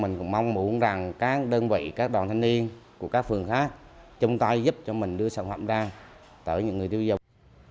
mình cũng mong muốn rằng các đơn vị các đoàn thanh niên của các phường khác chung tay giúp cho mình đưa sản phẩm ra tới những người tiêu dùng